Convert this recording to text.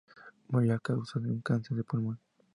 Murió a causa de un cáncer de pulmón.